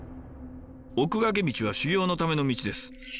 奥駈道は修行のための道です。